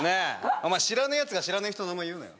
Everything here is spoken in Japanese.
お前知らねえやつが知らねえ人の名前言うなよ